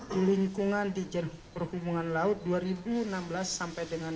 di lingkungan di perhubungan laut dua ribu enam belas sampai dengan dua ribu tujuh belas